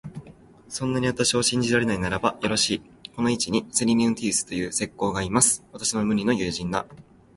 そんなに私を信じられないならば、よろしい、この市にセリヌンティウスという石工がいます。私の無二の友人だ。